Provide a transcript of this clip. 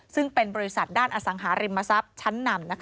ซึ่งเป็นบริษัทด้านอสังหาริมทรัพย์ชั้นนำ